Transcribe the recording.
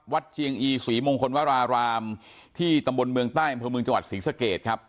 วัดเจียงอีสุริมงคลวรารามที่ตำบลเมืองใต้เมืองจังหวัดศรีสะเกตครับ